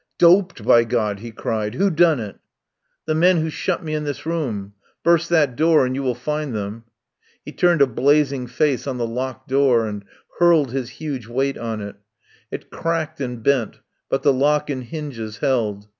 149 THE POWER HOUSE "Doped, by. God," he cried. "Who done it?" "The men who shut me in this room. Burst that door and you will find them." He turned a blazing face on the locked door and hurled his huge weight on it. It cracked and bent but the lock and hinges held.